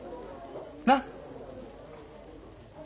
なっ？